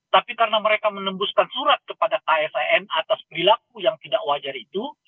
tapi karena mereka menembuskan surat kepada ksn atas perilaku yang tidak wajar itu